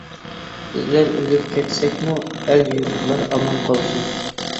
بىزلەر ئۆلۈپ كەتسەكمۇ، ئەل يۇرتلار ئامان قالسۇن.